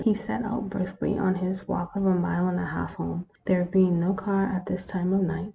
He set out briskly on his walk of a mile and a half home, there being no car at this time of night.